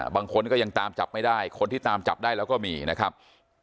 บางคนก็ยังตามจับไม่ได้คนที่ตามจับได้แล้วก็มีนะครับ